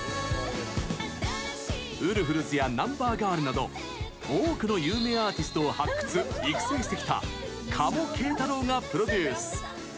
ウルフルズやＮＵＭＢＥＲＧＩＲＬなど多くの有名アーティストを発掘・育成してきた加茂啓太郎がプロデュース。